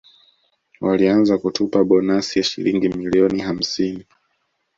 Walianza kutupa bonasi ya Shilingi milioni hamsini